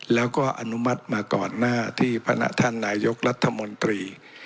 แล้วก็อนุมัติมาก่อนหน้าที่พนักท่านนายกรัฐมนตรี